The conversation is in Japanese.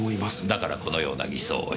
だからこのような偽装をした。